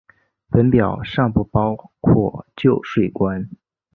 本表尚不包括旧税关。